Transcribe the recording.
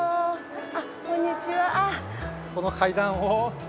あっこんにちは。